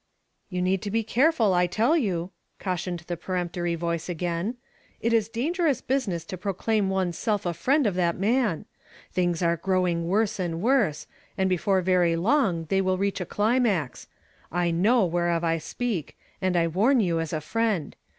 "You need to be careful, I tell you," cautioned the peremptory voice again. "It is dangerous business to proclaim one's self a friend of that man. Things are growing worse and Avorse, and befor e very long they will I'cach a climax. I know .1^ "IF ANY MAX TIIIIIST »» 221 w'liereof I s[)oalc, and I Wiini yoii as a friond.